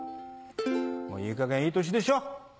もういいかげんいい年でしょ？